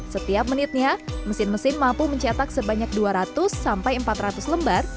setiap menitnya mesin mesin mampu mencetak sebanyak dua ratus sampai empat ratus lembar